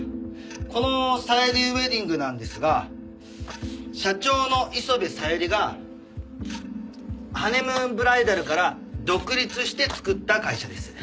このさゆりウェディングなんですが社長の磯部小百合がハネムーンブライダルから独立して作った会社です。